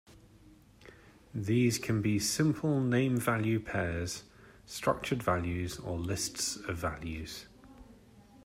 These can be simple name-value pairs, structured values or lists of values.